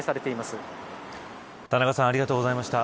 田中さんありがとうございました。